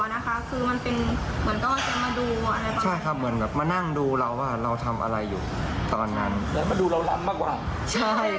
แล้วอาจจะคิดตัวเองหรือเปล่าเพราะว่าเราก็ไม่รู้ว่าเพื่อนเห็นเหมือนกับเราไหม